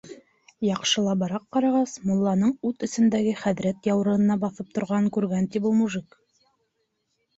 Яҡшылабыраҡ ҡарағас, мулланың ут эсендәге хәҙрәт яурынына баҫып торғанын күргән, ти был мужик.